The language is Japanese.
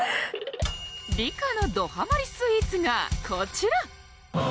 梨加のどハマりスイーツがこちら！